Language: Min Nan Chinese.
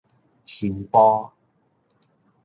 新埔